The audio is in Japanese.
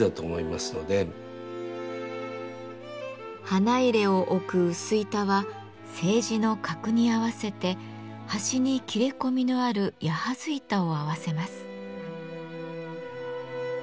花入を置く薄板は青磁の格に合わせて端に切れ込みのある「矢筈板」を合わせます。